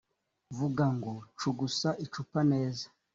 vuga ngo cugusa icupa neza.